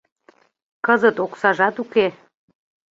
Кызыт оксажат уке.